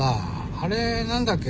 あれ何だっけ？